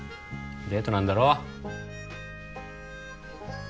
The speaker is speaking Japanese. デートなんだろ？